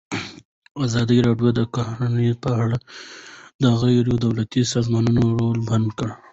ازادي راډیو د کرهنه په اړه د غیر دولتي سازمانونو رول بیان کړی.